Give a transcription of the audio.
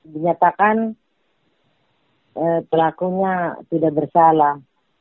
dinyatakan pelakunya tidak bersalah